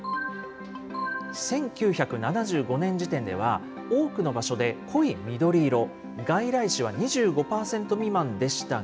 １９７５年時点では、多くの場所で濃い緑色、外来種は２５％未満でしたが。